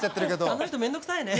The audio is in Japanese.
あの人面倒くさいよね。